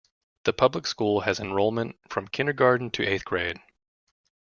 The public school has enrollment from kindergarten to eighth grade.